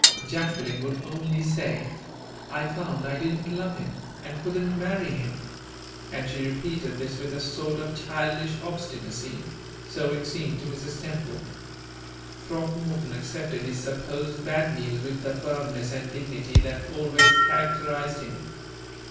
Jacqueline would only say, "I found I didn't love him, and couldn't marry him"; and she repeated this with a sort of childish obstinacy so it seemed to Mrs. Temple. Throckmorton accepted his supposed bad news with the firmness and dignity that always characterized him.